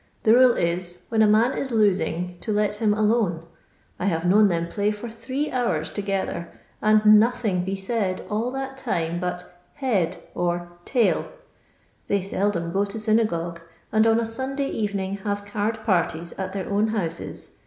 The rule is, when a man is losing to let him alone. I have known them play for three hours together, and nothing be said all that time but * head ' or ' tail.' They seldom go to synagogue, and on a Sunday evening have card parties at their own houses.